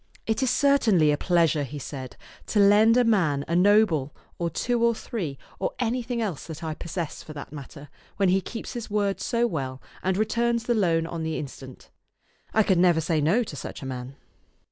" It is certainly a pleasure," he said, "to lend a man a noble, or two or three, or anything else that I possess, for that matter, when he keeps his word so well, and returns the loan on the instant. I could never say no to such a man."